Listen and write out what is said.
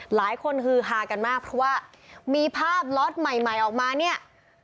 หลายคนฮือฮากันมากเพราะว่ามีภาพล็อตใหม่ใหม่ออกมาเนี่ย